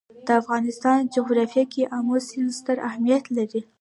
د افغانستان جغرافیه کې آمو سیند ستر اهمیت لري.